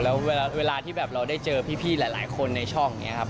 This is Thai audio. แล้วเวลาที่แบบเราได้เจอพี่หลายคนในช่องอย่างนี้ครับ